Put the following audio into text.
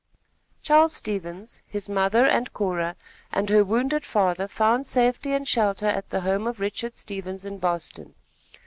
Charles Stevens, his mother and Cora and her wounded father found safety and shelter at the home of Richard Stevens in Boston.